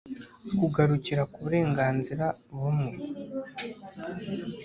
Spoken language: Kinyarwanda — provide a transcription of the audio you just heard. kugarukira ku burenganzira bumwe